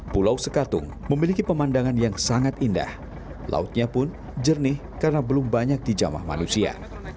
pulau sekatung memiliki pemandangan yang sangat indah lautnya pun jernih karena belum banyak di jamah manusia